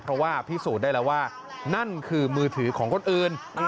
เพราะว่าพิสูจน์ได้แล้วว่านั่นคือมือถือของคนอื่น